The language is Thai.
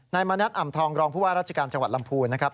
มณัฐอ่ำทองรองผู้ว่าราชการจังหวัดลำพูนนะครับ